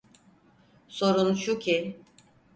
Sorun şu ki…